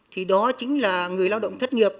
thì đó chính là người lao động thất nghiệp